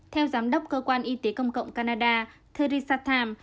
theo giám đốc cơ quan y tế công cộng canada theresa tham